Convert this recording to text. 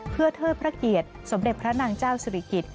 เพื่อเทิดพระเกียรติสมเด็จพระนางเจ้าศิริกิจ